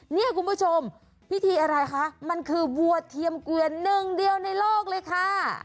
เนี่ยคุณผู้ชมพิธีอะไรคะมันคือวัวเทียมเกวียนหนึ่งเดียวในโลกเลยค่ะ